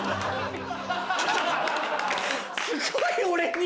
すごい俺に。